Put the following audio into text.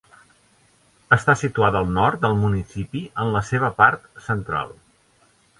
Està situada al nord del municipi en la seva part central.